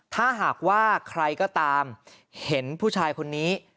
ถ้าหากว่าใครก็ตามเห็นผู้ชายคนนี้